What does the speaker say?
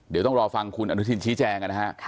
เดี๋ยวต้องรอฟังคุณอนุทินชี้แจงนะฮะ